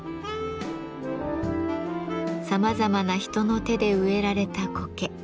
さまざまな人の手で植えられたコケ。